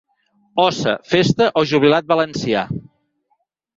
Óssa, festa o jubilat valencià.